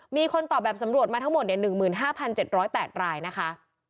มีคนตอบแบบสำรวจมาทั้งหมด๑๕๗๐๘รายนะคะ